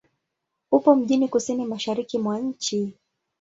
Upo mjini kusini-mashariki mwa nchi.